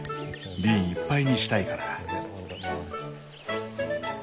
瓶いっぱいにしたいから。